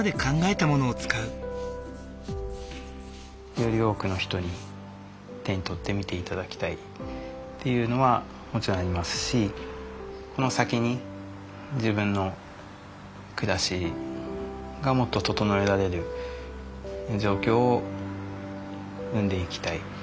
より多くの人に手に取ってみて頂きたいっていうのはもちろんありますしこの先に自分の暮らしがもっと整えられる状況を生んでいきたい。